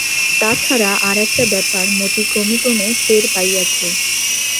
তা ছাড়া, আর একটা ব্যাপার মতি ক্রমে ক্রমে টের পাইয়াছে।